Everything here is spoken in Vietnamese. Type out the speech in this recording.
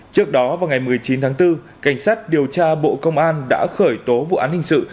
trước đó vào ngày một mươi chín tháng bốn cảnh sát điều tra bộ công an đã khởi tố vụ án hình sự